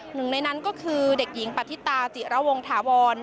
หนึ่งในนั้นก็คือเด็กหญิงปฏิตาจิระวงถาวร